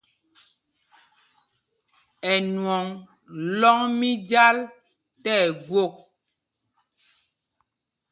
Ɛnwɔŋ lɔ́ŋ mí Jal tí ɛgwôk.